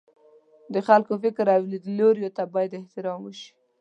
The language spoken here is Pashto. د خلکو فکر او لیدلوریو ته باید احترام وشي.